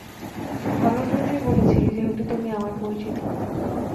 ভালোর জন্যই বলেছি যেহেতু তুমি আমার পরিচিত।